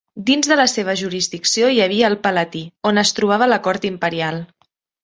Dins de la seva jurisdicció hi havia el Palatí, on es trobava la cort imperial.